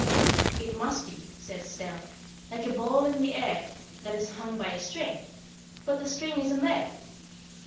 "It must be," said Estelle, "Like a ball in the air That is hung by a string; But the string isn't there!"